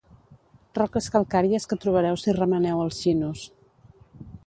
Roques calcàries que trobareu si remeneu als xinos.